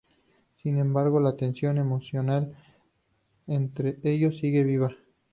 Sin embargo la tensión emocional entre ellos sigue viva.